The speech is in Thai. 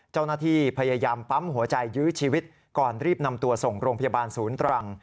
เจ้าหน้าที่พยายามปั๊มหัวใจยื้อชีวิตก่อนรีบนำตัวส่งโรงพยาบาลศูนย์ตรัง